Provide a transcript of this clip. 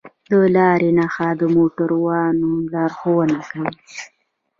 د لارې نښه د موټروان لارښوونه کوي.